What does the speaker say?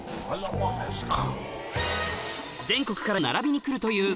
そうですか。